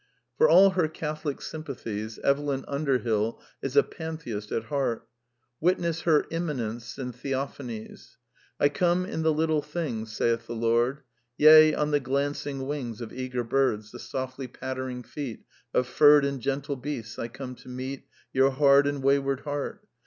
For all her Catholic sympathi Evelyn Underbill is a pantheist at heart Witness her " Immanence " and " Theophanies." " 1 come in the little things Saith the Lord. Yea! on the glancing wings Of eager birds, the softly pattering feet Of furred and gentle beasts, I come to meet Your hard and wayward heart.